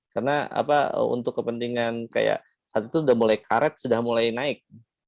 karena untuk kepentingan saat itu sudah mulai karet sudah mulai naik